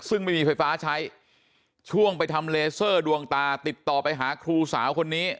ซึ่งไม่มีไฟฟ้าใช้ช่วงไปทำเลเซอร์ดวงตาติดต่อไปหาครูสาวคนนี้